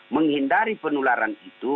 menghindari penularan itu